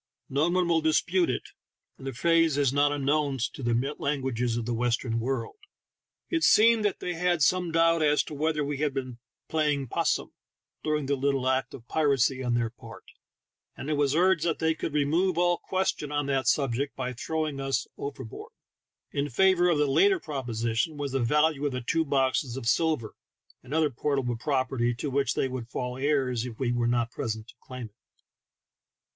No one will dispute it, and the phrase is not unknown to the languages of the Western world. It seemed that they had some doubt as to whether we had been "playing 'possum" during the little act of piracy on their part, and it was urged that the^^ could remove all question on that subject by throwing us over board. In favor of the latter proposition was the value of the two boxes of silver and other port' able property to which they would fall heirs if we were not present to claim it.